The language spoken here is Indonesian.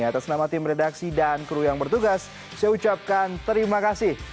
atas nama tim redaksi dan kru yang bertugas saya ucapkan terima kasih